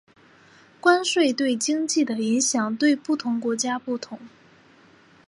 关税对经济的影响对不同国家不同。